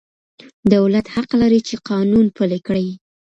دولت حق لري چي قانون پلي کړي.